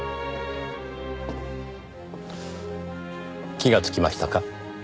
気がつきましたか？